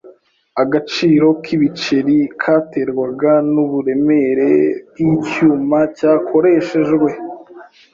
Agaciro k'ibiceri katerwaga n'uburemere bw'icyuma cyakoreshejwe.